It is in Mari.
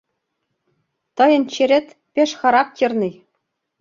Тыйын черет пеш характерный...